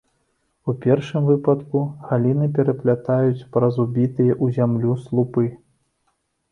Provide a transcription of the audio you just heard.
У першым выпадку галіны пераплятаюць праз убітыя ў зямлю слупы.